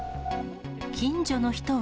近所の人は。